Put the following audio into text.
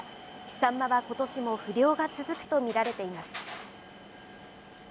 サンマはことしも不漁が続くと見られています。